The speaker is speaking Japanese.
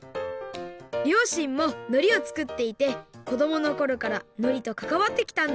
りょうしんものりをつくっていてこどものころからのりとかかわってきたんだって！